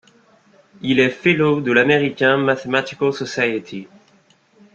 Il est fellow de l'American Mathematical Society.